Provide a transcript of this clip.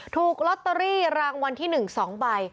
ถูกลอตเตอรี่รางวัลที่๑๒ใบ